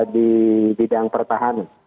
di bidang pertahanan